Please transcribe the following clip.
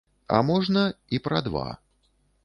А можна, і пра два.